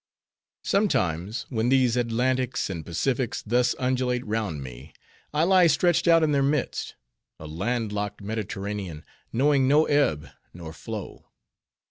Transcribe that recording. Sometimes, when these Atlantics and Pacifics thus undulate round me, I lie stretched out in their midst: a land locked Mediterranean, knowing no ebb, nor flow.